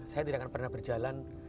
saya tidak akan pernah berjalan